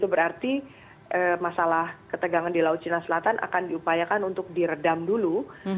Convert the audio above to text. berarti masalah ketegangan di laut cina selatan akan diupayakan untuk diredam dulu